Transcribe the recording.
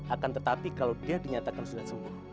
akan tetapi kalau dia dinyatakan sudah sembuh